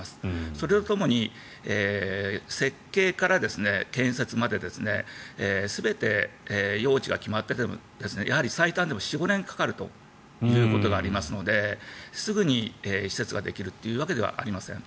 それとともに設計から建設まで全て用地が決まっていてもやはり最短でも４５年かかるということがありますのですぐに施設ができるというわけではありません。